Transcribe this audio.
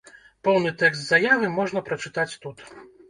Поўны тэкст заявы можна прачытаць тут.